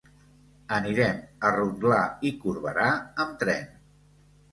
Anirem a Rotglà i Corberà amb tren.